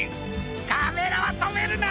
カメラはとめるな！